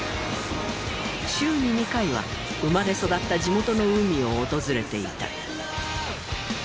週に２回は生まれ育った地元の海を訪れていた。